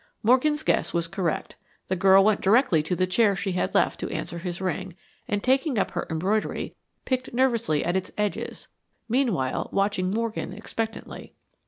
Morgan's guess was correct. The girl went directly to the chair she had left to answer his ring, and taking up her embroidery, picked nervously at its edges, meanwhile watching Morgan expectantly.